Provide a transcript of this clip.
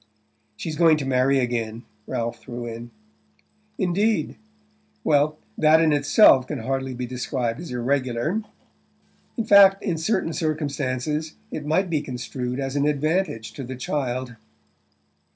"She's going to marry again," Ralph threw in. "Indeed? Well, that in itself can hardly be described as irregular. In fact, in certain circumstances it might be construed as an advantage to the child."